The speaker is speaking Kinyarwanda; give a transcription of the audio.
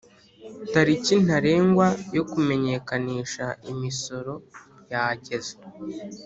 tariki ntarengwa yo kumenyekanisha imisoro yageze